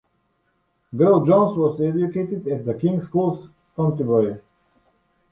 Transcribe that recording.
Garel-Jones was educated at the King's School, Canterbury.